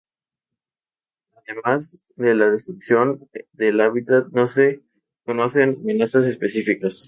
Además de la destrucción del hábitat, no se conocen amenazas específicas.